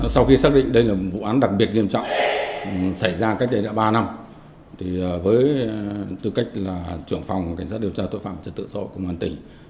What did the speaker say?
sau khi xác định đây là một vụ án đặc biệt nghiêm trọng xảy ra cách đây đã ba năm với tư cách là trưởng phòng cảnh sát điều tra tội phạm trật tự xã hội công an tỉnh